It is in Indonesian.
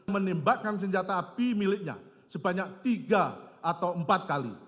menembakkan senjata api miliknya sebanyak tiga atau empat kali